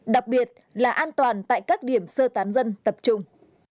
đặc biệt là an toàn tại các điểm sơ tán dân tập trung